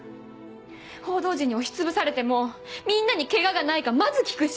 報道陣に押しつぶされてもみんなにケガがないかまず聞くし。